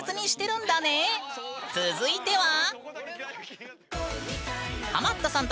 続いては。